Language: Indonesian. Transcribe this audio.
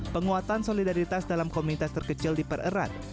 penguatan solidaritas dalam komunitas terkecil dipererat